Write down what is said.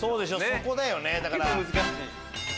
そこだよねだから。